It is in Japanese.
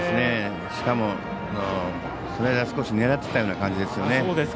しかも、スライダー少し狙ってたような感じですよね。